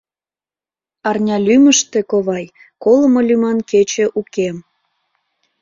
Арня лӱмыштӧ, ковай, колымо лӱман кече уке.